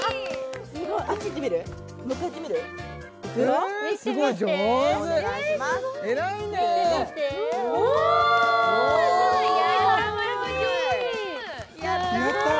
やったー！